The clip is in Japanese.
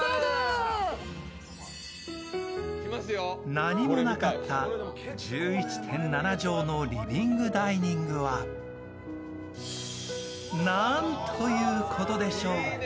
何もなかった１１．７畳のリビング・ダイニングはなんということでしょう。